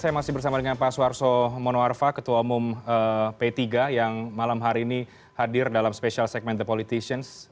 saya masih bersama dengan pak suarso monoarfa ketua umum p tiga yang malam hari ini hadir dalam special segmen the politicians